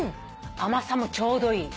甘さもちょうどいい。